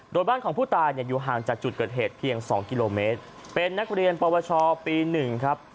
โดยบ้านของผู้ตายเนี่ยอยู่ห่างจากจุดเกิดเหตุเพียง๒กิโลเมตรเป็นนักเรียนปวชปี๑ครับ